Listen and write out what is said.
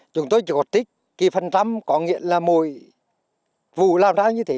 chúng tôi chỉ có tích cái phần trăm có nghĩa là mùi vụ làm ra như thế